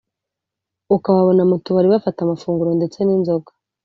ukababona mu tubari bafata amafunguro ndetse n’ inzoga